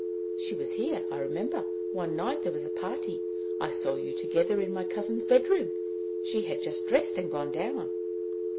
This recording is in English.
She was here, I remember, one night there was a party; I saw you together in my cousin's bedroom. She had just dressed and gone down."